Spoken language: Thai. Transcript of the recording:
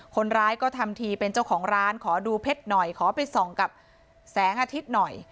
คนร้ายก็ทำทีเป็นเจ้าของร้านขอดูเพชรหน่อยขอไปส่องกับแสงอาทิตย์หน่อย